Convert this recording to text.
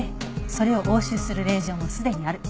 それを押収する令状もすでにある。